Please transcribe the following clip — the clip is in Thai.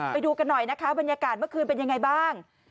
ไปดูกันหน่อยนะคะบรรยากาศเมื่อคืนเป็นยังไงบ้าง